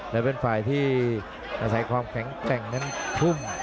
และเป็นฝ่ายที่อาศัยความแข็งแกร่งนั้นทุ่ม